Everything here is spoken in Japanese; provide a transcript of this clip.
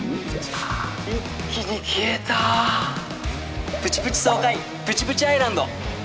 一気に消えたプチプチ爽快「プチプチアイランド」